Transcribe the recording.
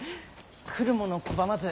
来る者拒まずだだ